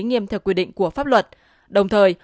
nghiêm theo quy định của pháp luật đồng thời